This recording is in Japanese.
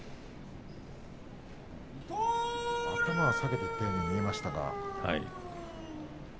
頭を下げていったように見えますけれども。